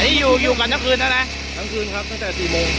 นี่อยู่อยู่กันทั้งคืนแล้วนะทั้งคืนครับตั้งแต่สี่โมง